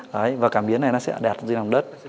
đấy và cảm biến này nó sẽ đặt dưới nòng đất